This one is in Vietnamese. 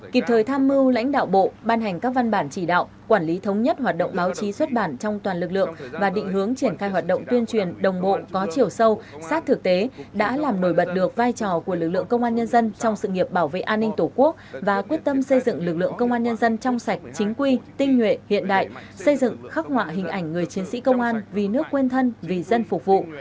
kịp thời tham mưu lãnh đạo bộ ban hành các văn bản chỉ đạo quản lý thống nhất hoạt động báo chí xuất bản trong toàn lực lượng và định hướng triển khai hoạt động tuyên truyền đồng bộ có chiều sâu sát thực tế đã làm nổi bật được vai trò của lực lượng công an nhân dân trong sự nghiệp bảo vệ an ninh tổ quốc và quyết tâm xây dựng lực lượng công an nhân dân trong sạch chính quy tinh nguyện hiện đại xây dựng khắc họa hình ảnh người chiến sĩ công an vì nước quên thân vì dân phục vụ